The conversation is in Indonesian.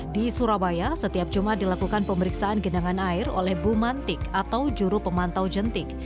di surabaya setiap jumat dilakukan pemeriksaan genangan air oleh bumantik atau juru pemantau jentik